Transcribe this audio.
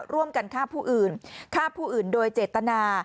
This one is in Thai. ร่วมกันฆ่าผู้อื่นฆ่าผู้อื่นโดยเจตนา